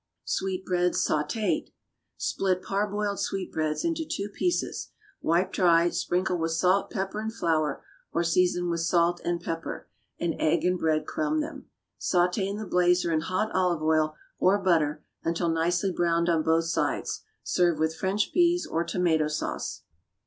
=Sweetbreads Sautéd.= Split parboiled sweetbreads into two pieces. Wipe dry, sprinkle with salt, pepper and flour; or season with salt and pepper, and egg and bread crumb them. Sauté in the blazer in hot olive oil, or butter, until nicely browned on both sides. Serve with French peas or tomato sauce.